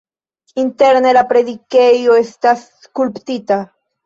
Interne la predikejo estas skulptita.